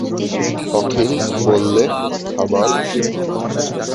অখিল বললে, খাবার।